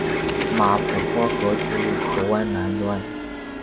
马普托河注入海湾南端。